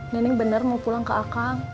nining bener mau pulang ke akang